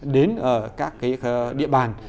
đến các địa bàn